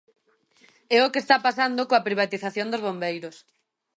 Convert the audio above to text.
É o que está pasando coa privatización dos bombeiros.